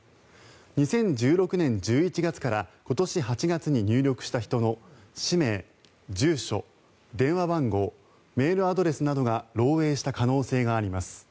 ２０１６年１１月から今年８月に入力した人の氏名、住所、電話番号メールアドレスなどが漏えいした可能性があります。